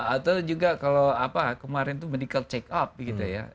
atau juga kalau apa kemarin itu medical check up gitu ya